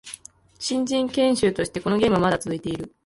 新人研修としてこのゲームはまだ続いている